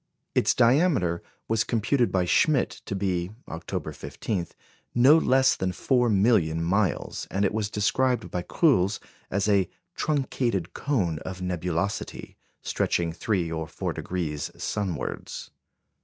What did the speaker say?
Its diameter was computed by Schmidt to be, October 15, no less than four million miles, and it was described by Cruls as a "truncated cone of nebulosity," stretching 3° or 4° sunwards.